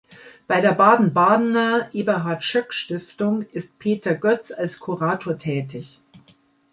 Bei der Baden-Badener Eberhard-Schöck-Stiftung ist Peter Götz als Kurator tätig.